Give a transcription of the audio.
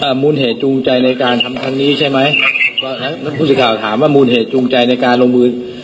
อ่ามูลเหตุจูงใจในการทำครั้งนี้ใช่ไหมนักภูมิสิทธิ์ข่าวถามว่ามูลเหตุจูงใจในการลงบืน